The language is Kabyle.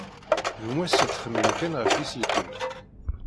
Gma-s yettxemmim kan ɣef yiselkimen.